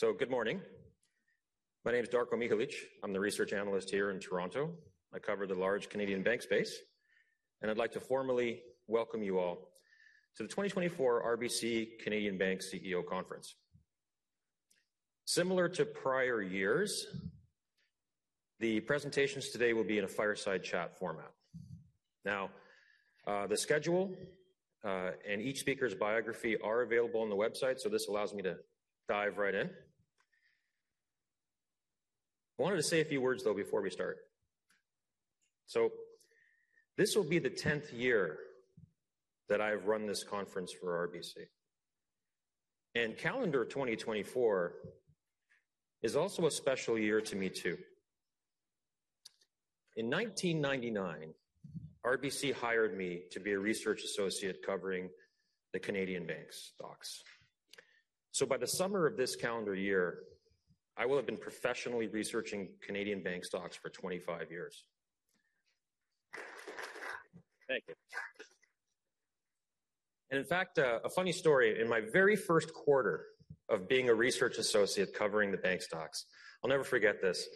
Good morning. My name is Darko Mihelic. I'm the research analyst here in Toronto. I cover the large Canadian bank space, and I'd like to formally welcome you all to the 2024 RBC Canadian Bank CEO Conference. Similar to prior years, the presentations today will be in a fireside chat format. Now, the schedule and each speaker's biography are available on the website, so this allows me to dive right in. I wanted to say a few words, though, before we start. This will be the 10th year that I've run this conference for RBC. Calendar 2024 is also a special year to me, too. In 1999, RBC hired me to be a research associate covering the Canadian bank stocks. So by the summer of this calendar year, I will have been professionally researching Canadian bank stocks for 25 years. Thank you. And in fact, a funny story. In my very Q1 of being a research associate covering the bank stocks, I'll never forget this: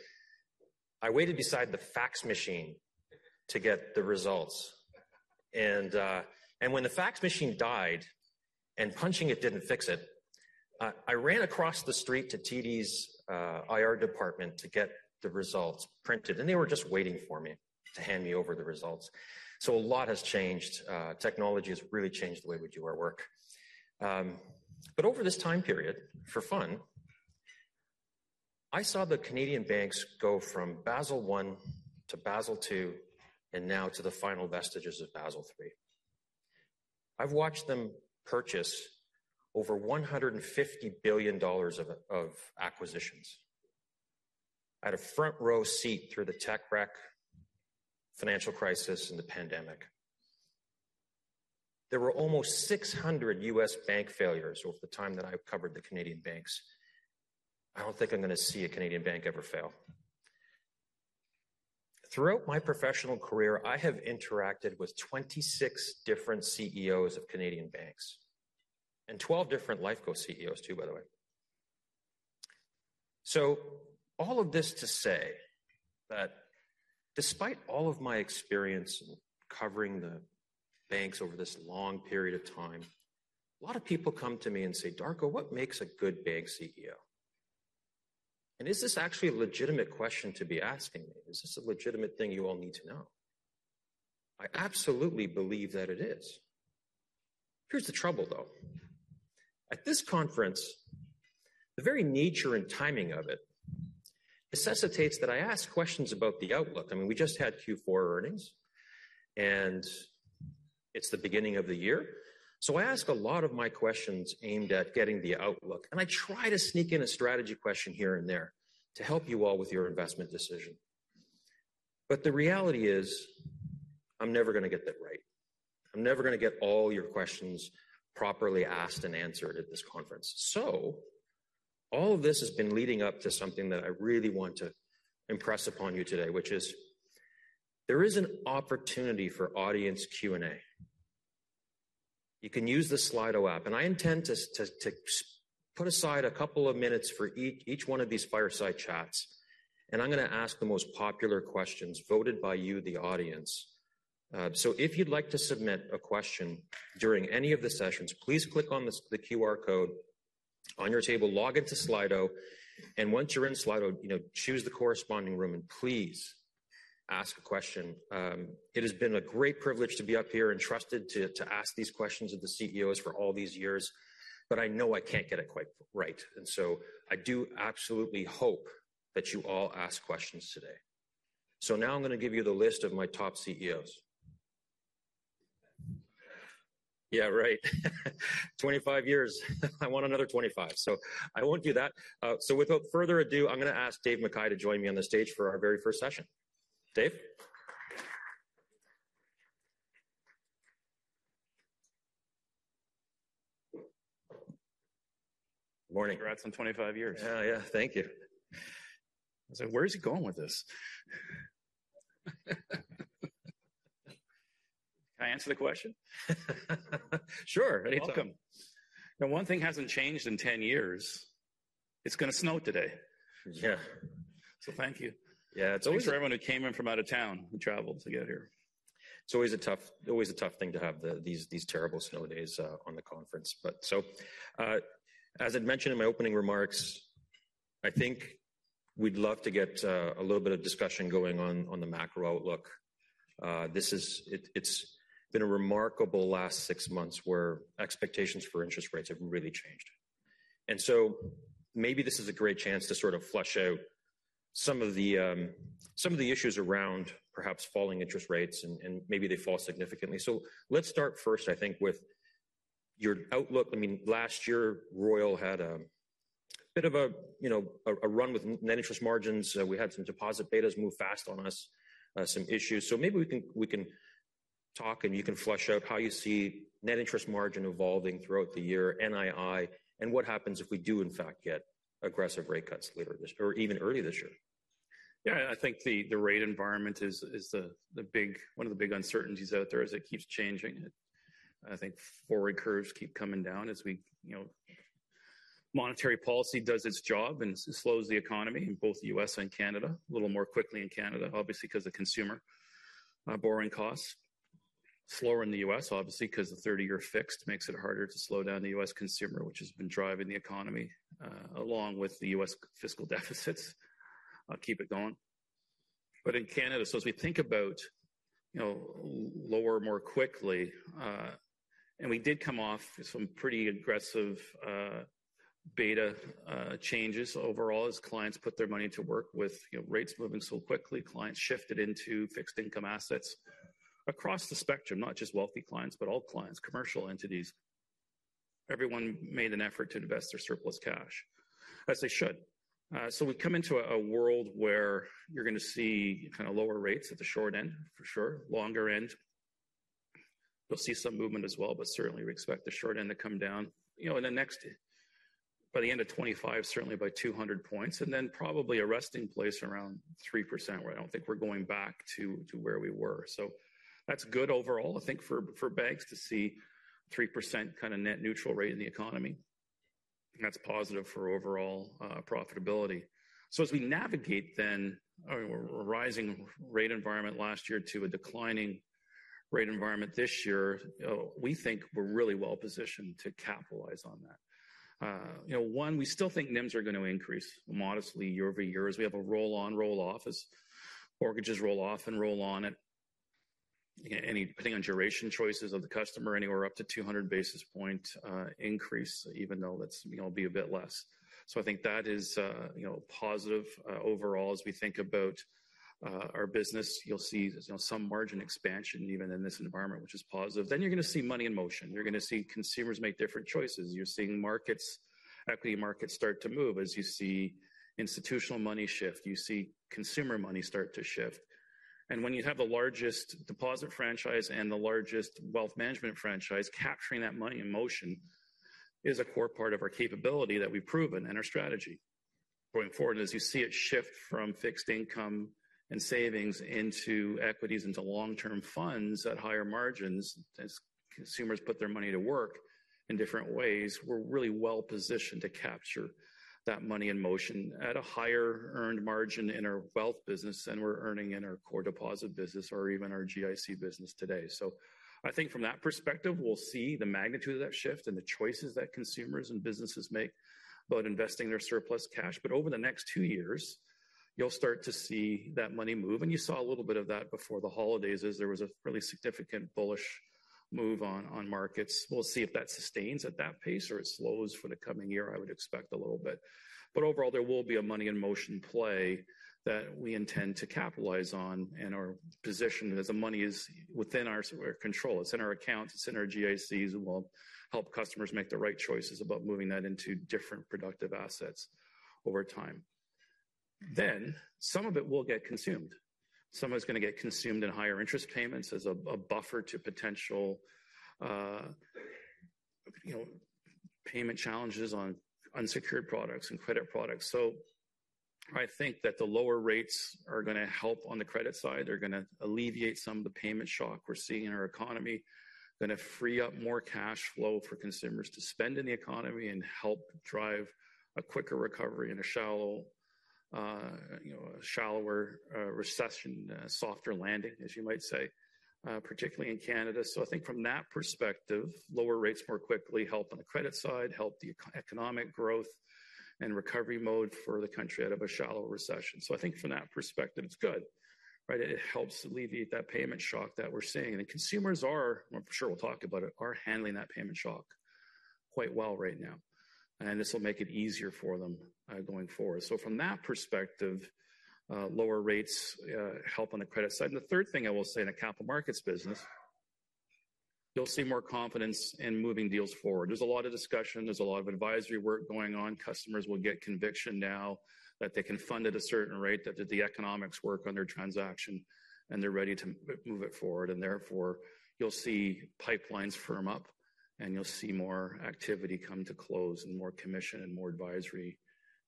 I waited beside the fax machine to get the results. And, and when the fax machine died and punching it didn't fix it, I ran across the street to TD's IR department to get the results printed, and they were just waiting for me to hand me over the results. So a lot has changed. Technology has really changed the way we do our work. But over this time period, for fun, I saw the Canadian banks go from Basel I to Basel II, and now to the final vestiges of Basel III. I've watched them purchase over 150 billion dollars of acquisitions. I had a front-row seat through the tech wreck, financial crisis, and the pandemic. There were almost 600 U.S. bank failures over the time that I've covered the Canadian banks. I don't think I'm gonna see a Canadian bank ever fail. Throughout my professional career, I have interacted with 26 different CEOs of Canadian banks and 12 different Lifeco CEOs, too, by the way. So all of this to say that despite all of my experience in covering the banks over this long period of time, a lot of people come to me and say, "Darko, what makes a good bank CEO?" Is this actually a legitimate question to be asking me? Is this a legitimate thing you all need to know? I absolutely believe that it is. Here's the trouble, though. At this conference, the very nature and timing of it necessitates that I ask questions about the outlook. I mean, we just had Q4 earnings, and it's the beginning of the year. So I ask a lot of my questions aimed at getting the outlook, and I try to sneak in a strategy question here and there to help you all with your investment decision. But the reality is, I'm never gonna get that right. I'm never gonna get all your questions properly asked and answered at this conference. So all of this has been leading up to something that I really want to impress upon you today, which is, there is an opportunity for audience Q&A. You can use the Slido app, and I intend to put aside a couple of minutes for each one of these fireside chats, and I'm gonna ask the most popular questions voted by you, the audience. So if you'd like to submit a question during any of the sessions, please click on the QR code on your table, log into Slido, and once you're in Slido, you know, choose the corresponding room and please ask a question. It has been a great privilege to be up here and trusted to ask these questions of the CEOs for all these years, but I know I can't get it quite right, and so I do absolutely hope that you all ask questions today. So now I'm gonna give you the list of my top CEOs. Yeah, right. 25 years. I want another 25. So I won't do that. Without further ado, I'm gonna ask Dave McKay to join me on the stage for our very first session. Dave? Good morning. Congrats on 25 years. Yeah, yeah. Thank you. I was like, "Where is he going with this? Can I answer the question? Sure, anytime. Welcome. Now, one thing hasn't changed in 10 years. It's gonna snow today. Yeah. So thank you- Yeah, it's always- For everyone who came in from out of town, who traveled to get here. It's always a tough, always a tough thing to have these terrible snow days on the conference. But so, as I'd mentioned in my opening remarks, I think we'd love to get a little bit of discussion going on the macro outlook. This is... It's been a remarkable last six months where expectations for interest rates have really changed. And so maybe this is a great chance to sort of flesh out some of the issues around perhaps falling interest rates and maybe they fall significantly. So let's start first, I think, with your outlook. I mean, last year, Royal had a bit of a, you know, a run with net interest margins. We had some deposit betas move fast on us, some issues. So maybe we can, we can talk, and you can flesh out how you see net interest margin evolving throughout the year, NII, and what happens if we do in fact get aggressive rate cuts later this or even early this year?... Yeah, I think the rate environment is one of the big uncertainties out there as it keeps changing. I think forward curves keep coming down as, you know, monetary policy does its job and slows the economy in both the U.S. and Canada. A little more quickly in Canada, obviously, because of consumer borrowing costs. Slower in the U.S., obviously, because the 30-year fixed makes it harder to slow down the U.S. consumer, which has been driving the economy along with the U.S. fiscal deficits keep it going. But in Canada, so as we think about, you know, lower more quickly, and we did come off some pretty aggressive beta changes overall as clients put their money to work with, you know, rates moving so quickly, clients shifted into fixed income assets across the spectrum, not just wealthy clients, but all clients, commercial entities. Everyone made an effort to invest their surplus cash, as they should. So we've come into a world where you're going to see kind of lower rates at the short end, for sure. Longer end, you'll see some movement as well, but certainly we expect the short end to come down, you know, in the next, by the end of 25, certainly by 200 points, and then probably a resting place around 3%, where I don't think we're going back to where we were. So that's good overall, I think for banks to see 3% kind of net neutral rate in the economy. That's positive for overall profitability. So as we navigate then a rising rate environment last year to a declining rate environment this year, we think we're really well positioned to capitalize on that. You know, one, we still think NIMs are going to increase modestly year-over-year, as we have a roll on, roll off, as mortgages roll off and roll on it. And, depending on duration choices of the customer, anywhere up to 200 basis points increase, even though that's, you know, be a bit less. So I think that is, you know, positive overall as we think about our business. You'll see, you know, some margin expansion even in this environment, which is positive. Then you're going to see money in motion. You're going to see consumers make different choices. You're seeing markets, equity markets start to move as you see institutional money shift, you see consumer money start to shift. And when you have the largest deposit franchise and the largest wealth management franchise, capturing that money in motion is a core part of our capability that we've proven and our strategy. Going forward, as you see it shift from fixed income and savings into equities, into long-term funds at higher margins, as consumers put their money to work in different ways, we're really well positioned to capture that money in motion at a higher earned margin in our wealth business than we're earning in our core deposit business or even our GIC business today. So I think from that perspective, we'll see the magnitude of that shift and the choices that consumers and businesses make about investing their surplus cash. But over the next two years, you'll start to see that money move, and you saw a little bit of that before the holidays, as there was a really significant bullish move on markets. We'll see if that sustains at that pace or it slows for the coming year. I would expect a little bit. But overall, there will be a money in motion play that we intend to capitalize on, and our position as the money is within our sort of control. It's in our accounts, it's in our GICs, and we'll help customers make the right choices about moving that into different productive assets over time. Then some of it will get consumed. Some of it's going to get consumed in higher interest payments as a buffer to potential, you know, payment challenges on unsecured products and credit products. So I think that the lower rates are gonna help on the credit side. They're gonna alleviate some of the payment shock we're seeing in our economy, gonna free up more cash flow for consumers to spend in the economy and help drive a quicker recovery in a shallow, you know, a shallower recession, a softer landing, as you might say, particularly in Canada. So I think from that perspective, lower rates more quickly help on the credit side, help the economic growth and recovery mode for the country out of a shallow recession. So I think from that perspective, it's good, right? It helps alleviate that payment shock that we're seeing. And the consumers are, I'm sure we'll talk about it, are handling that payment shock quite well right now, and this will make it easier for them, going forward. So from that perspective, lower rates help on the credit side. And the third thing I will say in a capital markets business, you'll see more confidence in moving deals forward. There's a lot of discussion, there's a lot of advisory work going on. Customers will get conviction now that they can fund at a certain rate, that the economics work on their transaction, and they're ready to move it forward. And therefore, you'll see pipelines firm up, and you'll see more activity come to close and more commission and more advisory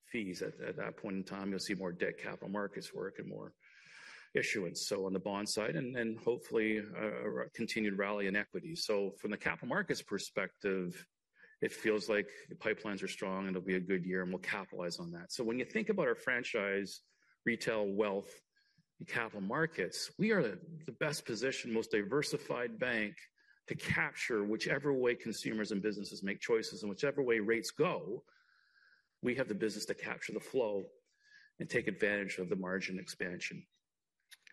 fees at that, at that point in time. You'll see more debt capital markets work and more issuance, so on the bond side, and hopefully a continued rally in equity. So from the capital markets perspective, it feels like the pipelines are strong, and it'll be a good year, and we'll capitalize on that. So when you think about our franchise, retail, wealth, and capital markets, we are the best positioned, most diversified bank to capture whichever way consumers and businesses make choices and whichever way rates go, we have the business to capture the flow and take advantage of the margin expansion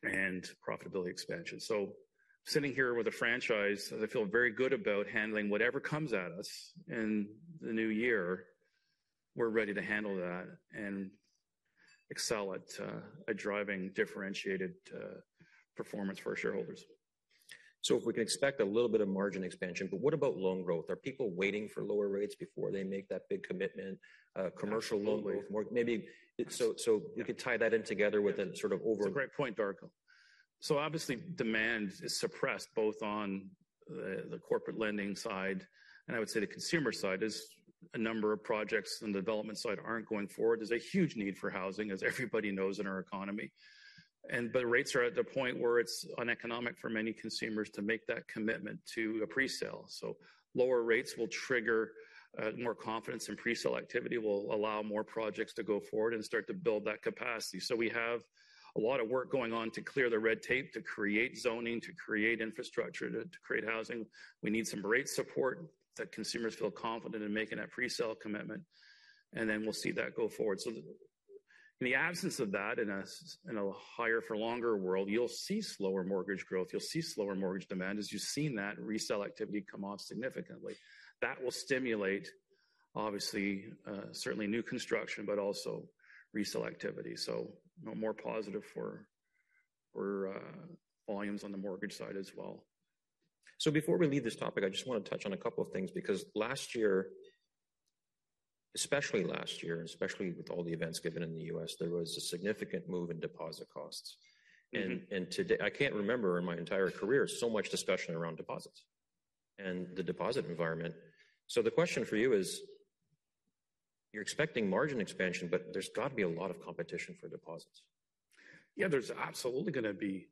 and profitability expansion. So sitting here with a franchise, I feel very good about handling whatever comes at us in the new year. We're ready to handle that and excel at driving differentiated performance for our shareholders. So if we can expect a little bit of margin expansion, but what about loan growth? Are people waiting for lower rates before they make that big commitment, commercial loan growth? Absolutely. Maybe, so you could tie that in together with a sort of over- It's a great point, Darko. So obviously, demand is suppressed both on the corporate lending side, and I would say the consumer side, as a number of projects on the development side aren't going forward. There's a huge need for housing, as everybody knows, in our economy, and but rates are at the point where it's uneconomic for many consumers to make that commitment to a presale. So lower rates will trigger more confidence, and presale activity will allow more projects to go forward and start to build that capacity. So we have a lot of work going on to clear the red tape, to create zoning, to create infrastructure, to create housing. We need some rate support that consumers feel confident in making that presale commitment, and then we'll see that go forward. So in the absence of that, in a higher for longer world, you'll see slower mortgage growth, you'll see slower mortgage demand, as you've seen that resale activity come off significantly. That will stimulate, obviously, certainly new construction, but also resale activity. So no more positive for volumes on the mortgage side as well. Before we leave this topic, I just want to touch on a couple of things, because last year, especially last year, and especially with all the events given in the U.S., there was a significant move in deposit costs. Mm-hmm. Today, I can't remember in my entire career so much discussion around deposits and the deposit environment. So the question for you is: You're expecting margin expansion, but there's got to be a lot of competition for deposits. Yeah, there's absolutely gonna be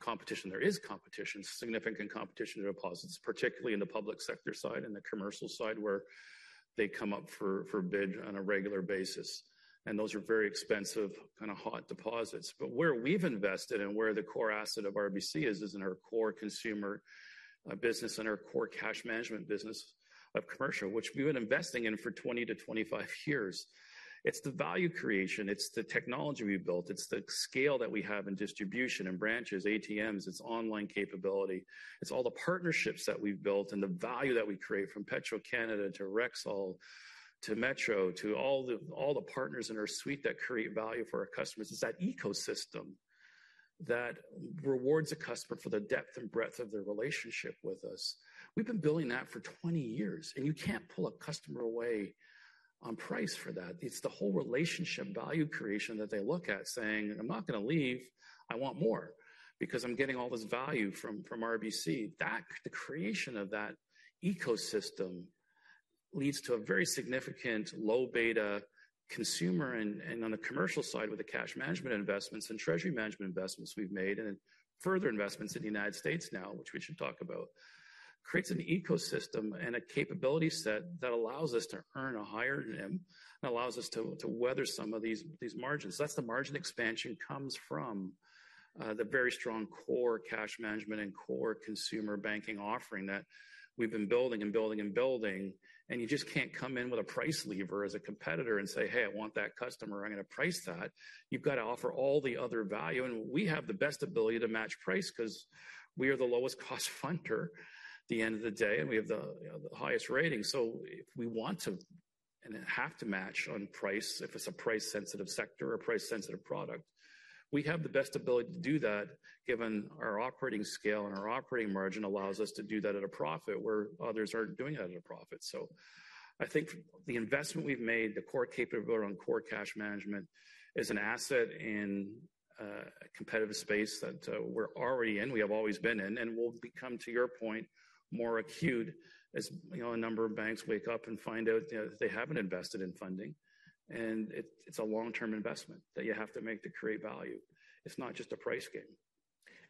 competition. There is competition, significant competition in deposits, particularly in the public sector side and the commercial side, where they come up for bid on a regular basis, and those are very expensive, kind of, hot deposits. But where we've invested and where the core asset of RBC is, is in our core consumer business and our core cash management business of commercial, which we've been investing in for 20-25 years. It's the value creation, it's the technology we've built, it's the scale that we have in distribution and branches, ATMs, it's online capability. It's all the partnerships that we've built and the value that we create from Petro-Canada to Rexall, to Metro, to all the partners in our suite that create value for our customers. It's that ecosystem that rewards a customer for the depth and breadth of their relationship with us. We've been building that for 20 years, and you can't pull a customer away on price for that. It's the whole relationship value creation that they look at, saying, "I'm not gonna leave. I want more because I'm getting all this value from, from RBC." That... The creation of that ecosystem leads to a very significant low beta consumer, and, and on the commercial side, with the cash management investments and treasury management investments we've made, and further investments in the United States now, which we should talk about, creates an ecosystem and a capability set that allows us to earn a higher NIM and allows us to, to weather some of these, these margins. That's the margin expansion comes from, the very strong core cash management and core consumer banking offering that we've been building and building and building. And you just can't come in with a price lever as a competitor and say, "Hey, I want that customer. I'm gonna price that." You've got to offer all the other value, and we have the best ability to match price because we are the lowest cost funder at the end of the day, and we have the, you know, the highest rating. So if we want to and have to match on price, if it's a price-sensitive sector or price-sensitive product, we have the best ability to do that, given our operating scale and our operating margin allows us to do that at a profit where others aren't doing that at a profit. So I think the investment we've made, the core capability around core cash management, is an asset in a competitive space that we're already in, we have always been in, and will become, to your point, more acute, as you know, a number of banks wake up and find out, you know, they haven't invested in funding. It's a long-term investment that you have to make to create value. It's not just a price game.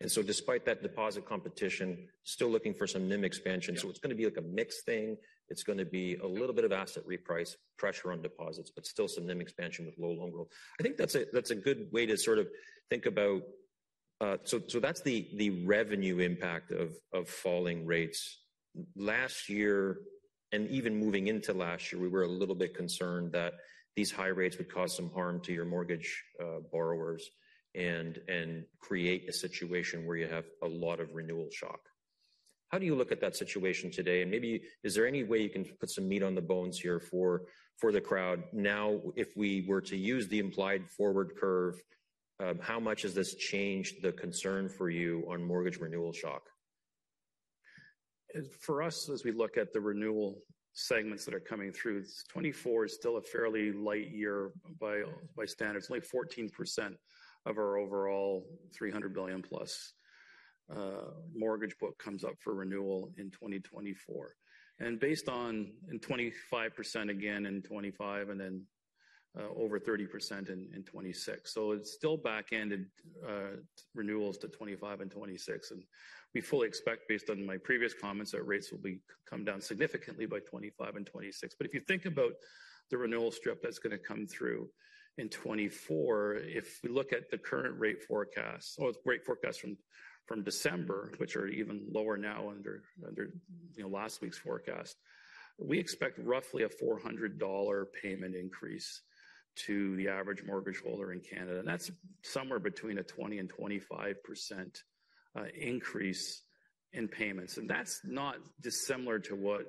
And so despite that deposit competition, still looking for some NIM expansion. Yeah. So it's gonna be, like, a mixed thing. It's gonna be a little bit of asset reprice, pressure on deposits, but still some NIM expansion with low loan growth. I think that's a good way to sort of think about. So that's the revenue impact of falling rates. Last year, and even moving into last year, we were a little bit concerned that these high rates would cause some harm to your mortgage borrowers and create a situation where you have a lot of renewal shock. How do you look at that situation today? And maybe, is there any way you can put some meat on the bones here for the crowd? Now, if we were to use the implied forward curve, how much has this changed the concern for you on mortgage renewal shock? For us, as we look at the renewal segments that are coming through, 2024 is still a fairly light year by standards. Only 14% of our overall 300+ billion mortgage book comes up for renewal in 2024. And 25% again in 2025, and then over 30% in 2026. So it's still back-ended renewals to 2025 and 2026. And we fully expect, based on my previous comments, that rates will come down significantly by 2025 and 2026. But if you think about the renewal strip that's gonna come through in 2024, if we look at the current rate forecast or rate forecast from December, which are even lower now under last week's forecast, we expect roughly a 400 dollar payment increase to the average mortgage holder in Canada. That's somewhere between a 20%-25% increase in payments. That's not dissimilar to what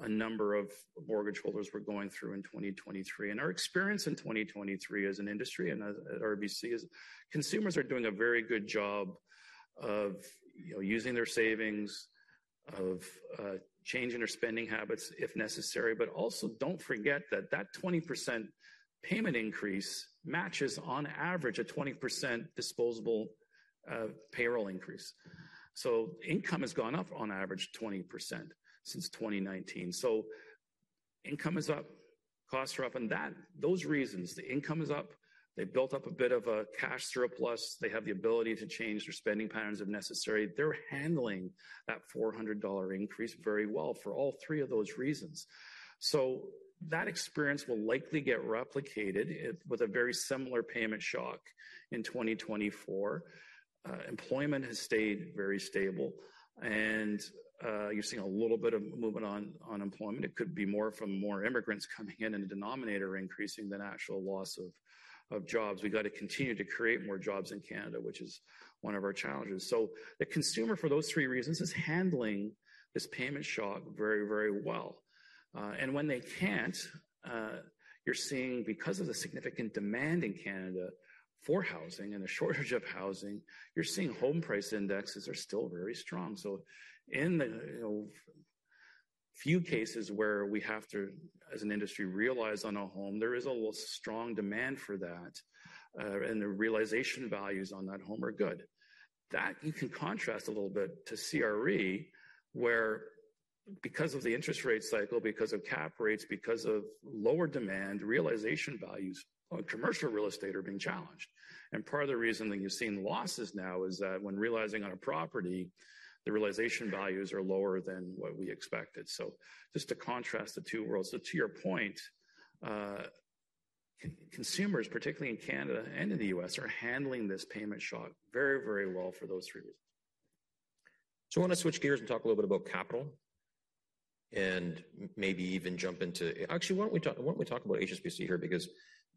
a number of mortgage holders were going through in 2023. Our experience in 2023 as an industry and as RBC is consumers are doing a very good job of, you know, using their savings, of changing their spending habits, if necessary. But also, don't forget that 20% payment increase matches, on average, a 20% disposable payroll increase. So income has gone up on average 20% since 2019. So income is up, costs are up, and that, those reasons, the income is up, they built up a bit of a cash surplus. They have the ability to change their spending patterns if necessary. They're handling that 400 dollar increase very well for all three of those reasons. So that experience will likely get replicated it, with a very similar payment shock in 2024. Employment has stayed very stable and, you're seeing a little bit of movement on employment. It could be more from more immigrants coming in, and the denominator increasing than actual loss of jobs. We got to continue to create more jobs in Canada, which is one of our challenges. So the consumer, for those three reasons, is handling this payment shock very, very well. And when they can't, you're seeing because of the significant demand in Canada for housing and the shortage of housing, you're seeing home price indexes are still very strong. So in the, you know, few cases where we have to, as an industry, realize on a home, there is a strong demand for that, and the realization values on that home are good. That you can contrast a little bit to CRE, where because of the interest rate cycle, because of cap rates, because of lower demand, realization values on commercial real estate are being challenged. And part of the reason that you're seeing losses now is that when realizing on a property, the realization values are lower than what we expected. So just to contrast the two worlds. So to your point, consumers, particularly in Canada and in the U.S., are handling this payment shock very, very well for those three reasons. So I want to switch gears and talk a little bit about capital and maybe even jump into... Actually, why don't we talk, why don't we talk about HSBC here? Because,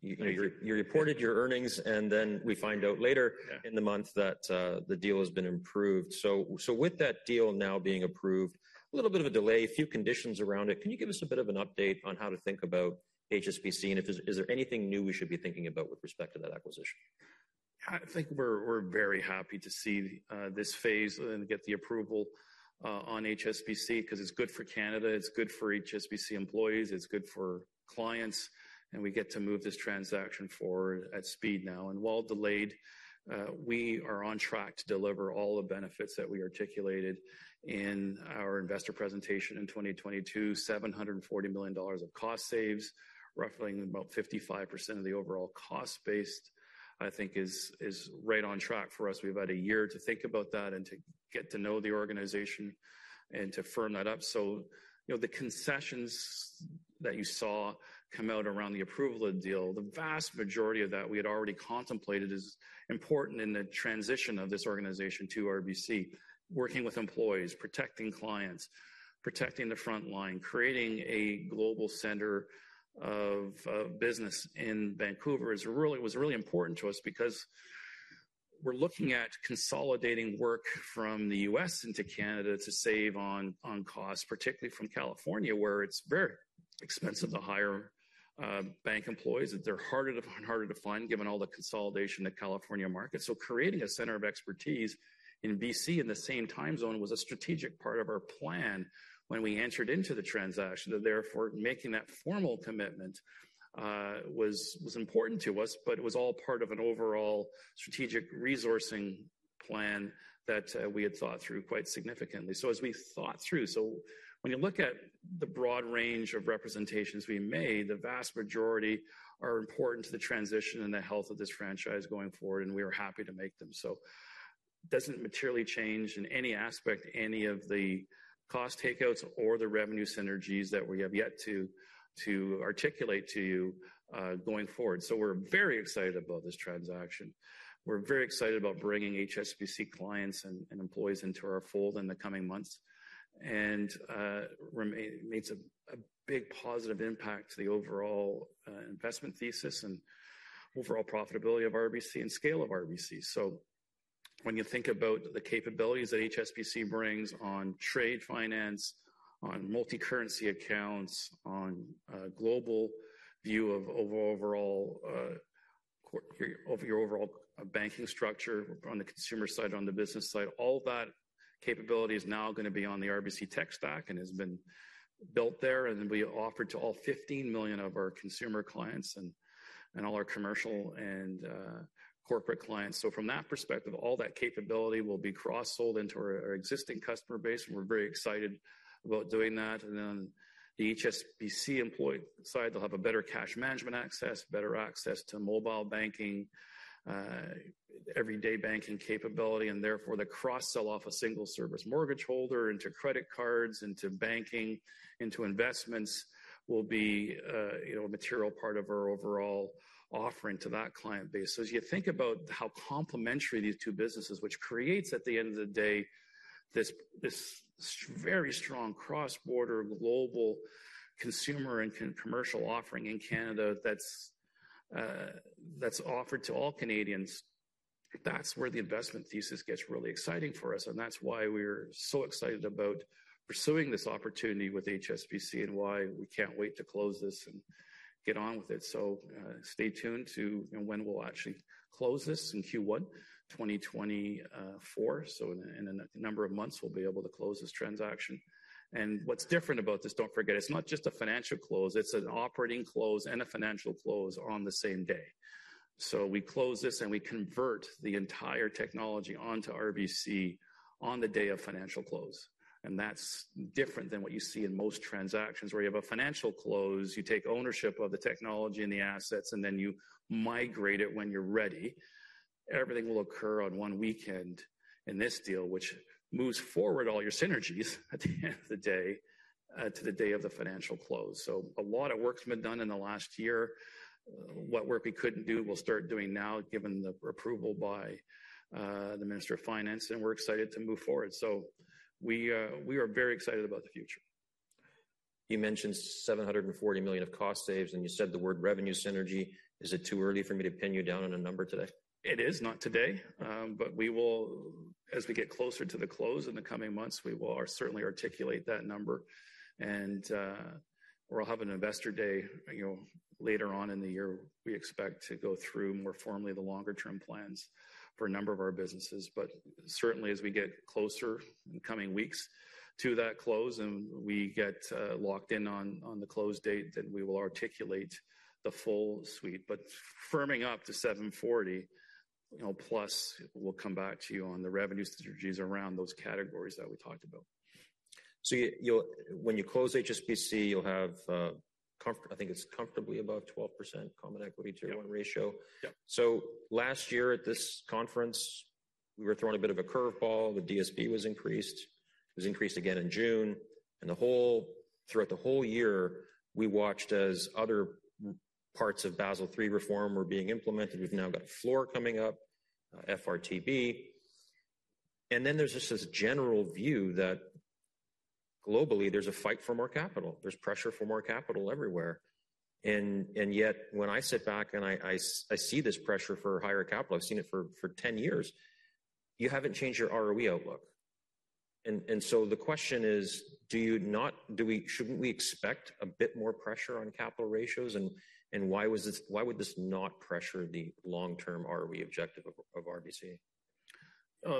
you know, you reported your earnings, and then we find out later... Yeah. In the month that the deal has been improved. So, so with that deal now being approved, a little bit of a delay, a few conditions around it, can you give us a bit of an update on how to think about HSBC? And if, is there anything new we should be thinking about with respect to that acquisition? I think we're very happy to see this phase and get the approval on HSBC, because it's good for Canada, it's good for HSBC employees, it's good for clients, and we get to move this transaction forward at speed now. And while delayed, we are on track to deliver all the benefits that we articulated in our investor presentation in 2022. 740 million dollars of cost saves, roughly about 55% of the overall cost base, I think is right on track for us. We have about a year to think about that and to get to know the organization and to firm that up. So, you know, the concessions that you saw come out around the approval of the deal, the vast majority of that we had already contemplated, is important in the transition of this organization to RBC. Working with employees, protecting clients, protecting the front line, creating a global center of business in Vancouver was really important to us because we're looking at consolidating work from the U.S. into Canada to save on costs, particularly from California, where it's very expensive to hire bank employees, that they're harder to find, harder to find, given all the consolidation in the California market. So creating a center of expertise in B.C. in the same time zone was a strategic part of our plan when we entered into the transaction, and therefore, making that formal commitment was important to us. But it was all part of an overall strategic resourcing plan that we had thought through quite significantly. So as we thought through, so when you look at the broad range of representations we made, the vast majority are important to the transition and the health of this franchise going forward, and we are happy to make them. So doesn't materially change in any aspect, any of the cost takeouts or the revenue synergies that we have yet to articulate to you going forward. So we're very excited about this transaction. We're very excited about bringing HSBC clients and employees into our fold in the coming months. And makes a big positive impact to the overall investment thesis and overall profitability of RBC and scale of RBC. So when you think about the capabilities that HSBC brings on trade finance, on multicurrency accounts, on global view of your overall banking structure, on the consumer side, on the business side, all that capability is now going to be on the RBC tech stack and has been built there, and will be offered to all 15 million of our consumer clients and all our commercial and corporate clients. So from that perspective, all that capability will be cross-sold into our existing customer base, and we're very excited about doing that. And then the HSBC employee side, they'll have a better cash management access, better access to mobile banking, everyday banking capability, and therefore, the cross-sell off a single service mortgage holder into credit cards, into banking, into investments, will be, you know, a material part of our overall offering to that client base. So as you think about how complementary these two businesses, which creates, at the end of the day, this very strong cross-border global consumer and commercial offering in Canada that's, that's offered to all Canadians, that's where the investment thesis gets really exciting for us, and that's why we're so excited about pursuing this opportunity with HSBC and why we can't wait to close this and get on with it. So, stay tuned to, you know, when we'll actually close this in Q1 2024. So in a number of months, we'll be able to close this transaction. And what's different about this, don't forget, it's not just a financial close. It's an operating close and a financial close on the same day. So we close this, and we convert the entire technology onto RBC on the day of financial close, and that's different than what you see in most transactions, where you have a financial close, you take ownership of the technology and the assets, and then you migrate it when you're ready. Everything will occur on one weekend in this deal, which moves forward all your synergies at the end of the day, to the day of the financial close. So a lot of work's been done in the last year. What work we couldn't do, we'll start doing now, given the approval by the Minister of Finance, and we're excited to move forward. We are very excited about the future. You mentioned 740 million of cost saves, and you said the word revenue synergy. Is it too early for me to pin you down on a number today? It is, not today. But we will... As we get closer to the close in the coming months, we will certainly articulate that number. We'll have an investor day, you know, later on in the year. We expect to go through more formally the longer-term plans for a number of our businesses. But certainly, as we get closer in coming weeks to that close, and we get, locked in on, on the close date, then we will articulate the full suite. But firming up to 740, you know, plus, we'll come back to you on the revenue synergies around those categories that we talked about. So you'll, when you close HSBC, you'll have comfort... I think it's comfortably above 12% Common Equity Tier 1 ratio. Yeah. So last year at this conference, we were thrown a bit of a curveball. The DSB was increased. It was increased again in June, and throughout the whole year, we watched as other parts of Basel III reform were being implemented. We've now got a floor coming up, FRTB. And then there's just this general view that globally, there's a fight for more capital. There's pressure for more capital everywhere. And yet, when I sit back, and I see this pressure for higher capital, I've seen it for 10 years, you haven't changed your ROE outlook. And so the question is, shouldn't we expect a bit more pressure on capital ratios? And why would this not pressure the long-term ROE objective of RBC?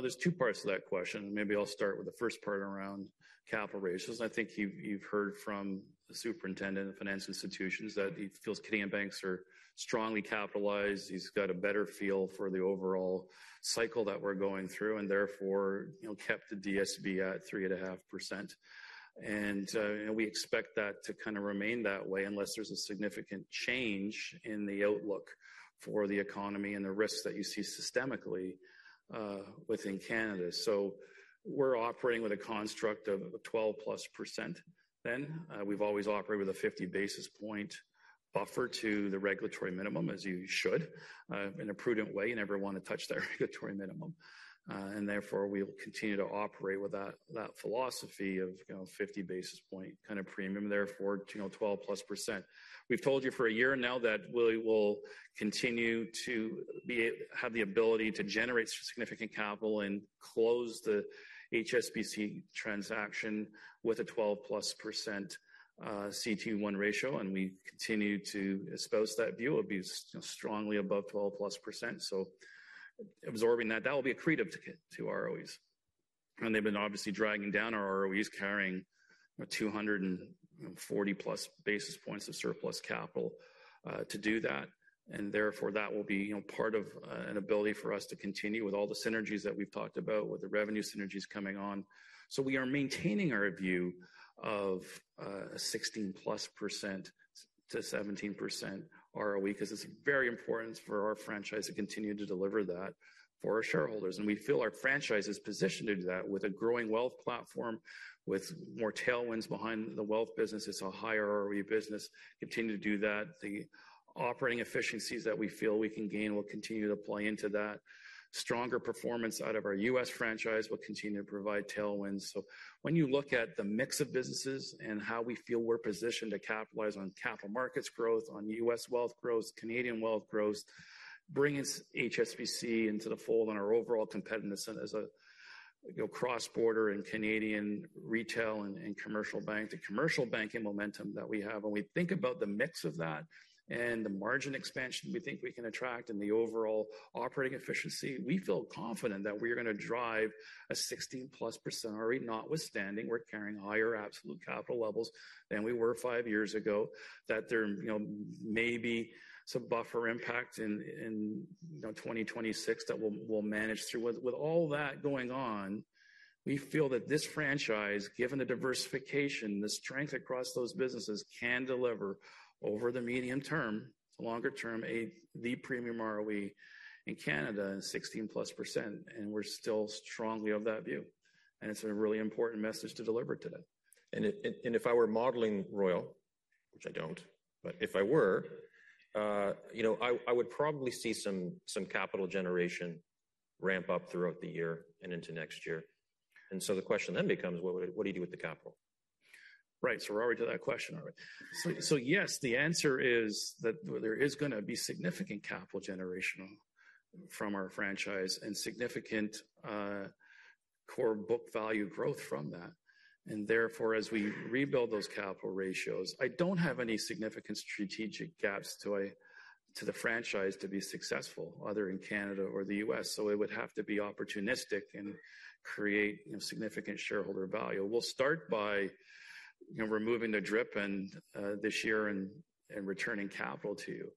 There's two parts to that question. Maybe I'll start with the first part around capital ratios. I think you've heard from the Superintendent of Financial Institutions that he feels Canadian banks are strongly capitalized. He's got a better feel for the overall cycle that we're going through and therefore, you know, kept the DSB at 3.5%. And we expect that to kind of remain that way unless there's a significant change in the outlook for the economy and the risks that you see systemically within Canada. So we're operating with a construct of 12%+, then we've always operated with a 50 basis point buffer to the regulatory minimum, as you should in a prudent way. You never want to touch that regulatory minimum. And therefore, we'll continue to operate with that philosophy of, you know, 50 basis points kind of premium, therefore, you know, 12%+. We've told you for a year now that we will continue to have the ability to generate significant capital and close the HSBC transaction with a 12%+ CET1 ratio, and we continue to espouse that view of being strongly above 12%+. So absorbing that, that will be accretive to ROEs. And they've been obviously dragging down our ROEs, carrying 240+ basis points of surplus capital to do that, and therefore, that will be, you know, part of an ability for us to continue with all the synergies that we've talked about, with the revenue synergies coming on. So we are maintaining our view of a 16%+ to 17% ROE, 'cause it's very important for our franchise to continue to deliver that for our shareholders. And we feel our franchise is positioned to do that with a growing wealth platform, with more tailwinds behind the wealth business. It's a higher ROE business, continue to do that. The operating efficiencies that we feel we can gain will continue to play into that. Stronger performance out of our U.S. franchise will continue to provide tailwinds. So when you look at the mix of businesses and how we feel we're positioned to capitalize on capital markets growth, on U.S. wealth growth, Canadian wealth growth, bringing HSBC into the fold and our overall competitiveness as a, you know, cross-border and Canadian retail and commercial bank, the commercial banking momentum that we have, and we think about the mix of that and the margin expansion we think we can attract and the overall operating efficiency, we feel confident that we are going to drive a 16%+ ROE, notwithstanding we're carrying higher absolute capital levels than we were five years ago, that there, you know, may be some buffer impact in, you know, 2026 that we'll manage through. With all that going on, we feel that this franchise, given the diversification, the strength across those businesses, can deliver over the medium term, longer term, the premium ROE in Canada, 16%+, and we're still strongly of that view. And it's a really important message to deliver today. If I were modeling Royal, which I don't, but if I were, you know, I would probably see some capital generation ramp up throughout the year and into next year. So the question then becomes: what do you do with the capital? Right. So we're already to that question already. So yes, the answer is that there is gonna be significant capital generation from our franchise and significant core book value growth from that. And therefore, as we rebuild those capital ratios, I don't have any significant strategic gaps to the franchise to be successful, either in Canada or the U.S. So it would have to be opportunistic and create, you know, significant shareholder value. We'll start by, you know, removing the DRIP and this year and returning capital to you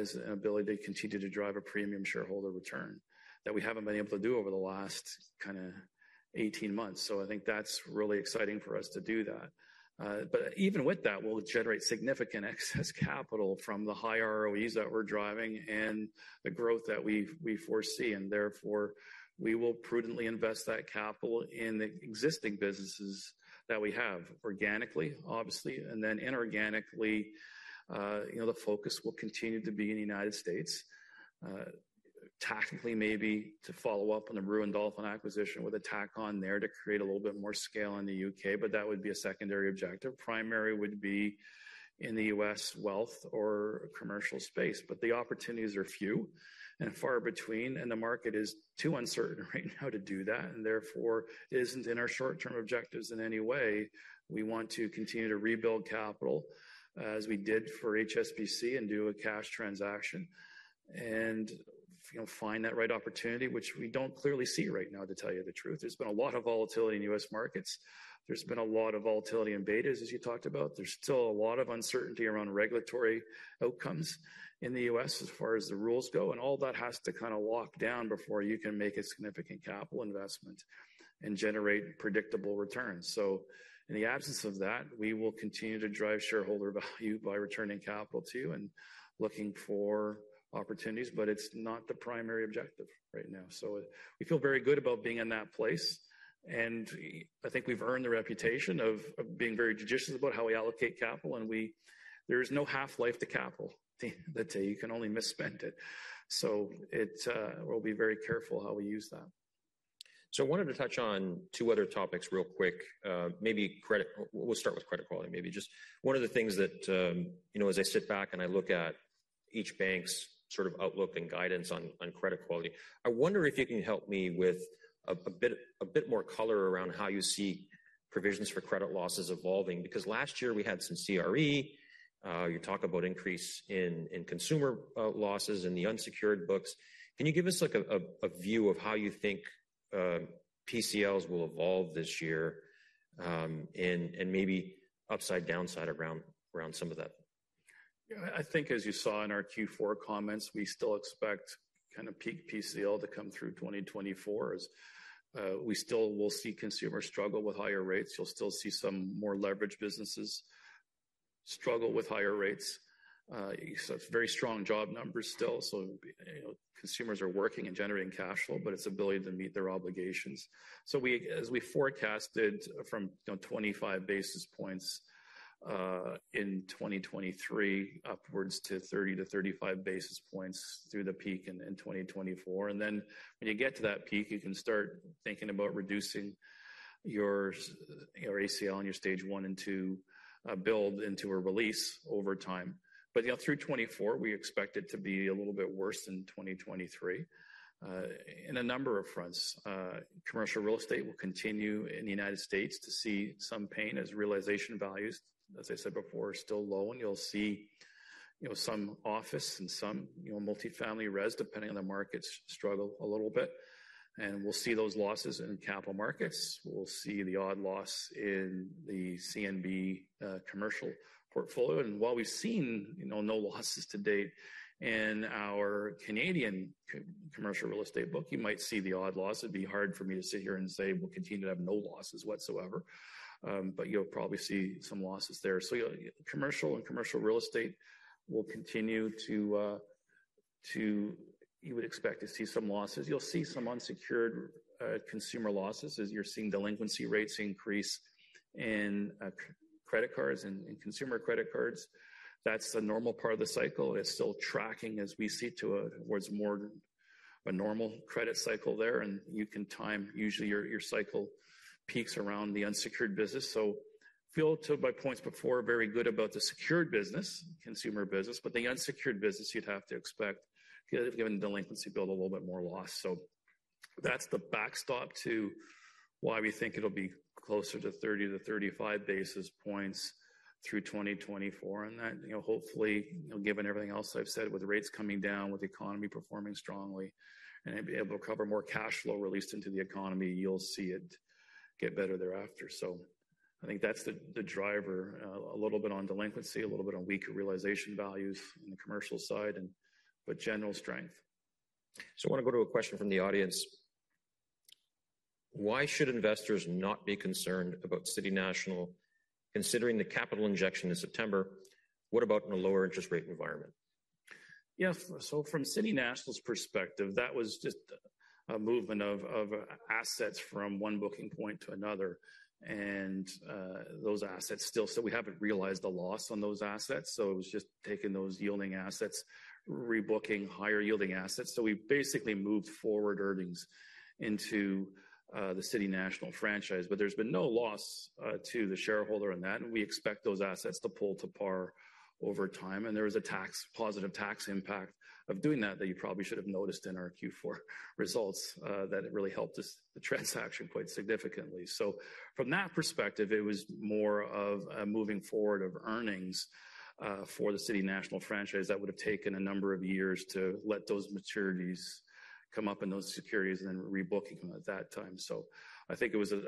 as an ability to continue to drive a premium shareholder return that we haven't been able to do over the last kind of 18 months. So I think that's really exciting for us to do that. But even with that, we'll generate significant excess capital from the high ROEs that we're driving and the growth that we foresee, and therefore, we will prudently invest that capital in the existing businesses that we have, organically, obviously, and then inorganically, you know, the focus will continue to be in the United States. Tactically, maybe to follow up on the Brewin Dolphin acquisition with attack on there to create a little bit more scale in the U.K., but that would be a secondary objective. Primary would be in the U.S. wealth or commercial space, but the opportunities are few and far between, and the market is too uncertain right now to do that, and therefore, isn't in our short-term objectives in any way. We want to continue to rebuild capital as we did for HSBC and do a cash transaction and, you know, find that right opportunity, which we don't clearly see right now, to tell you the truth. There's been a lot of volatility in U.S. markets. There's been a lot of volatility in betas, as you talked about. There's still a lot of uncertainty around regulatory outcomes in the U.S. as far as the rules go, and all that has to kind of walk down before you can make a significant capital investment and generate predictable returns. So in the absence of that, we will continue to drive shareholder value by returning capital to you and looking for opportunities, but it's not the primary objective right now. So we feel very good about being in that place, and I think we've earned the reputation of being very judicious about how we allocate capital, and there is no half-life to capital that day. You can only misspend it. So it. We'll be very careful how we use that. So I wanted to touch on two other topics real quick. Maybe credit. We'll start with credit quality, maybe just one of the things that, you know, as I sit back and I look at each bank's sort of outlook and guidance on, on credit quality, I wonder if you can help me with a bit more color around how you see provisions for credit losses evolving, because last year we had some CRE. You talk about increase in consumer losses in the unsecured books. Can you give us, like, a view of how you think PCLs will evolve this year, and maybe upside, downside around some of that? Yeah, I think as you saw in our Q4 comments, we still expect kind of peak PCL to come through 2024 as we still will see consumers struggle with higher rates. You'll still see some more leveraged businesses struggle with higher rates. You saw very strong job numbers still, so, you know, consumers are working and generating cash flow, but its ability to meet their obligations. So as we forecasted from, you know, 25 basis points in 2023, upwards to 30-35 basis points through the peak in 2024. And then when you get to that peak, you can start thinking about reducing your, your ACL and your Stage 1 and 2 build into a release over time. But, you know, through 2024, we expect it to be a little bit worse than 2023, in a number of fronts. Commercial real estate will continue in the United States to see some pain as realization values, as I said before, are still low, and you'll see, you know, some office and some, you know, multifamily res, depending on the markets, struggle a little bit. And we'll see those losses in capital markets. We'll see the odd loss in the CNB, commercial portfolio. And while we've seen, you know, no losses to date in our Canadian commercial real estate book, you might see the odd loss. It'd be hard for me to sit here and say we'll continue to have no losses whatsoever. But you'll probably see some losses there. So commercial and commercial real estate will continue to... You would expect to see some losses. You'll see some unsecured, consumer losses as you're seeing delinquency rates increase in, credit cards and consumer credit cards. That's the normal part of the cycle, is still tracking as we see to, towards more a normal credit cycle there, and you can time, usually, your, your cycle peaks around the unsecured business. So feel to my points before, very good about the secured business, consumer business, but the unsecured business, you'd have to expect, given the delinquency, build a little bit more loss. So that's the backstop to why we think it'll be closer to 30-35 basis points through 2024. That, you know, hopefully, you know, given everything else I've said, with rates coming down, with the economy performing strongly and being able to cover more cash flow released into the economy, you'll see it get better thereafter. So I think that's the driver, a little bit on delinquency, a little bit on weaker realization values in the commercial side and, but general strength. I want to go to a question from the audience: Why should investors not be concerned about City National, considering the capital injection in September? What about in a lower interest rate environment?... Yeah, so from City National's perspective, that was just a movement of assets from one booking point to another. And those assets still so we haven't realized the loss on those assets, so it was just taking those yielding assets, rebooking higher yielding assets. So we basically moved forward earnings into the City National franchise. But there's been no loss to the shareholder in that, and we expect those assets to pull to par over time. And there is a tax positive tax impact of doing that, that you probably should have noticed in our Q4 results, that it really helped us, the transaction, quite significantly. So from that perspective, it was more of a moving forward of earnings, for the City National franchise that would have taken a number of years to let those maturities come up in those securities and then rebook them at that time. So I think it was a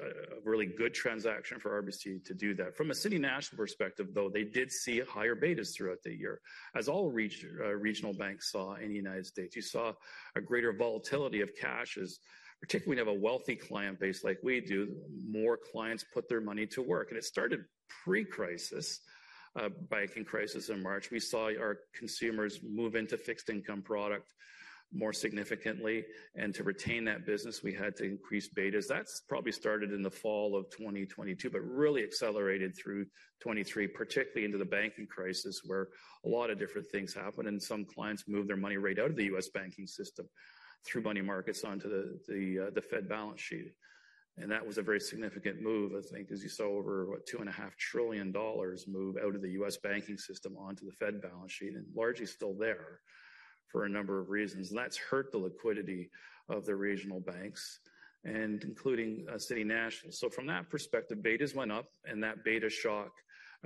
really good transaction for RBC to do that. From a City National perspective, though, they did see higher betas throughout the year, as all regional banks saw in the United States. You saw a greater volatility of cashes, particularly when you have a wealthy client base like we do. More clients put their money to work, and it started pre-crisis, banking crisis in March. We saw our consumers move into fixed income product more significantly, and to retain that business, we had to increase betas. That's probably started in the fall of 2022, but really accelerated through 2023, particularly into the banking crisis, where a lot of different things happened and some clients moved their money right out of the U.S. banking system through money markets onto the the Fed balance sheet. And that was a very significant move, I think, as you saw over, what? $2.5 trillion move out of the U.S. banking system onto the Fed balance sheet, and largely still there for a number of reasons. And that's hurt the liquidity of the regional banks and including City National. So from that perspective, betas went up, and that beta shock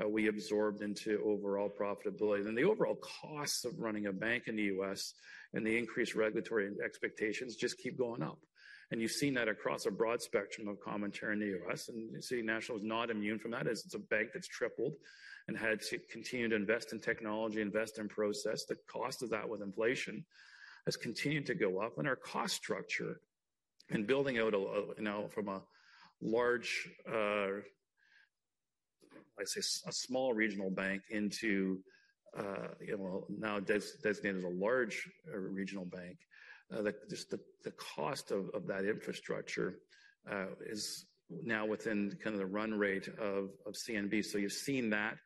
we absorbed into overall profitability. And the overall costs of running a bank in the U.S. and the increased regulatory expectations just keep going up. You've seen that across a broad spectrum of commentary in the U.S., and City National is not immune from that, as it's a bank that's tripled and had to continue to invest in technology, invest in process. The cost of that with inflation has continued to go up, and our cost structure and building out, you know, from a large... I'd say, a small regional bank into, well, now designated as a large regional bank, just the cost of that infrastructure is now within kind of the run rate of CNB. So you've seen that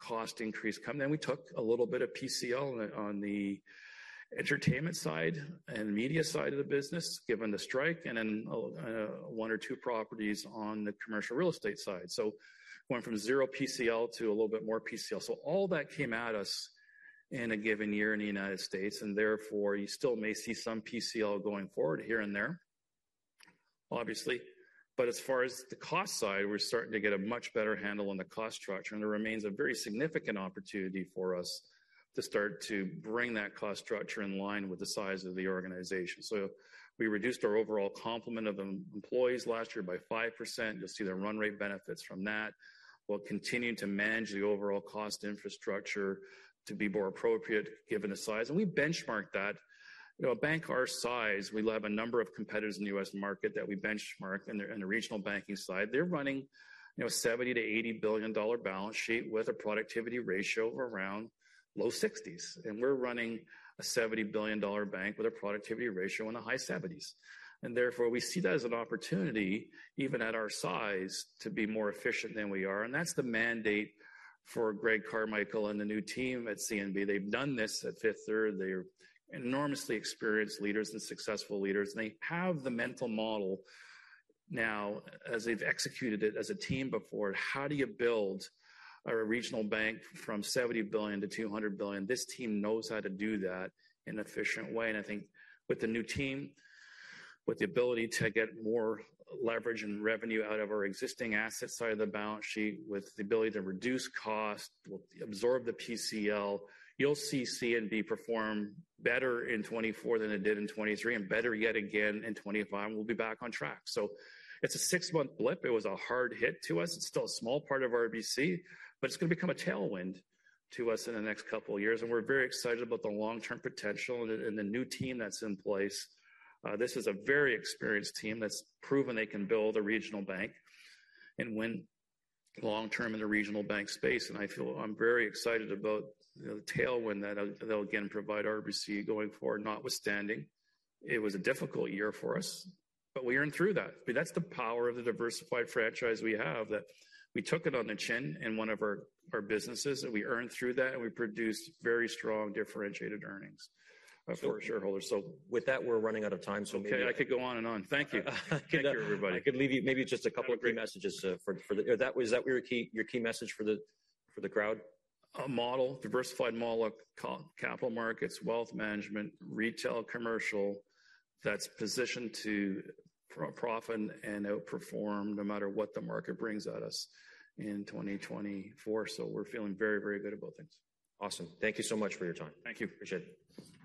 cost increase come. Then we took a little bit of PCL on the entertainment side and media side of the business, given the strike, and then one or two properties on the commercial real estate side. So went from zero PCL to a little bit more PCL. So all that came at us in a given year in the United States, and therefore, you still may see some PCL going forward here and there, obviously. But as far as the cost side, we're starting to get a much better handle on the cost structure, and there remains a very significant opportunity for us to start to bring that cost structure in line with the size of the organization. So we reduced our overall complement of employees last year by 5%. You'll see the run rate benefits from that, while continuing to manage the overall cost infrastructure to be more appropriate given the size. We benchmarked that. You know, a bank our size, we have a number of competitors in the US market that we benchmark, and in the regional banking side, they're running, you know, $70 billion-$80 billion balance sheet with a productivity ratio of around low 60s%. And we're running a $70 billion bank with a productivity ratio in the high 70s%. And therefore, we see that as an opportunity, even at our size, to be more efficient than we are. And that's the mandate for Greg Carmichael and the new team at CNB. They've done this at Fifth Third. They're enormously experienced leaders and successful leaders, and they have the mental model now, as they've executed it as a team before. How do you build a regional bank from $70 billion to $200 billion? This team knows how to do that in an efficient way, and I think with the new team, with the ability to get more leverage and revenue out of our existing asset side of the balance sheet, with the ability to reduce cost, absorb the PCL, you'll see CNB perform better in 2024 than it did in 2023, and better yet again in 2025, and we'll be back on track. So it's a six-month blip. It was a hard hit to us. It's still a small part of RBC, but it's going to become a tailwind to us in the next couple of years, and we're very excited about the long-term potential and the new team that's in place. This is a very experienced team that's proven they can build a regional bank and win long term in the regional bank space, and I feel I'm very excited about the tailwind that they'll, again, provide RBC going forward. Notwithstanding, it was a difficult year for us, but we earned through that. But that's the power of the diversified franchise we have, that we took it on the chin in one of our, our businesses, and we earned through that, and we produced very strong, differentiated earnings for our shareholders. With that, we're running out of time, so maybe- Okay, I could go on and on. Thank you. Thank you, everybody. I could leave you maybe just a couple of key messages, for, for the... That was, that your key, your key message for the, for the crowd? A model, diversified model, Capital Markets, Wealth Management, Retail, and Commercial, that's positioned to profit and outperform no matter what the market brings at us in 2024. So we're feeling very, very good about things. Awesome. Thank you so much for your time. Thank you. Appreciate it.